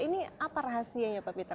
ini apa rahasianya pak peter